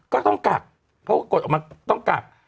ก็ต้องกักเพราะว่ากดออกมาต้องกัก